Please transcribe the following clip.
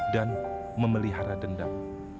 dan memelihara dendam